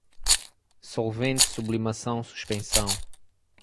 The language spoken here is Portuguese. solvente, sublimação, suspensão